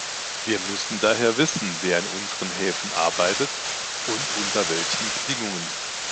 Wir müssen daher wissen, wer in unseren Häfen arbeitet und unter welchen Bedingungen.